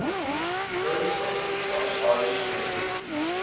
Rewşa min a acîl heye.